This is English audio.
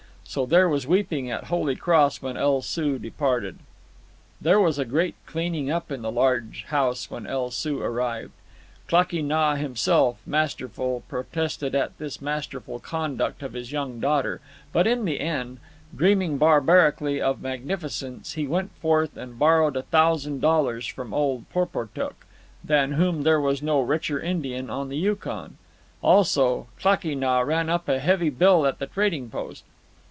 So there was weeping at Holy Cross when El Soo departed. There was a great cleaning up in the large house when El Soo arrived. Klakee Nah, himself masterful, protested at this masterful conduct of his young daughter; but in the end, dreaming barbarically of magnificence, he went forth and borrowed a thousand dollars from old Porportuk, than whom there was no richer Indian on the Yukon. Also, Klakee Nah ran up a heavy bill at the trading post.